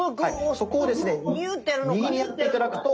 そこをですね右にやって頂くと。